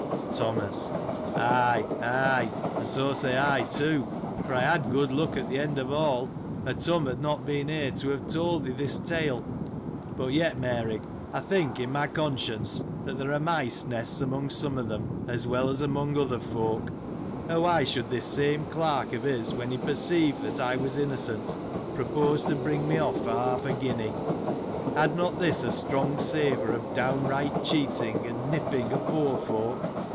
Thomas. — Ay, Ay, and so say I, too ; for I had good luck at the end of all, or Turn had not been here to have told thee this tale. But, yet, Mary, I think, in my conscience, that there are mice nests,^ among some of them, as well as among other folk, or why should this same clerk of his, when he perceived that I was innocent, propose to bring me off for half a guinea ? Had not this a strong savour of downright right cheating and nipping o' poor folk